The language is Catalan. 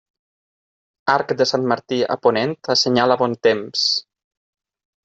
Arc de Sant Martí a ponent assenyala bon temps.